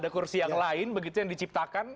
ada kursi yang lain begitu yang diciptakan